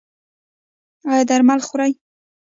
ایا درمل خورئ؟